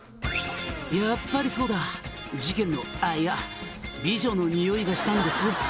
「やっぱりそうだ」「事件のあっいや美女のにおいがしたんですよ」